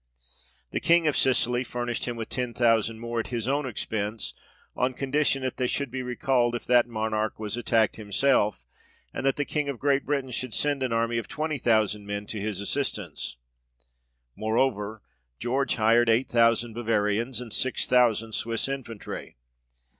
The King of Sicily furnished him with ten thousand more at his own expence, on condition, that they should be AN ALLIED ARMY AT ZURICH. 67 recalled if that Monarch was attacked himself, and that the King of Great Britain should send an army of twenty thousand men to his assistance : moreover, George hired eight thousand Bavarians, and six thousand Swiss infantry.